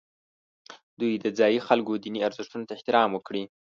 دوی د ځایي خلکو دیني ارزښتونو ته احترام وکړي.